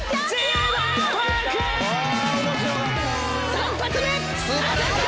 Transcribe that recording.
３発目！